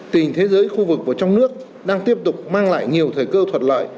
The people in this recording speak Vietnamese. tình thế giới khu vực của trong nước đang tiếp tục mang lại nhiều thời cơ thuật lợi